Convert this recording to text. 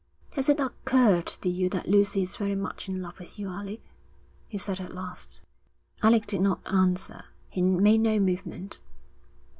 'Has it occurred to you that Lucy is very much in love with you, Alec?' he said at last. Alec did not answer. He made no movement.